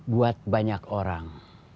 buat banyak orang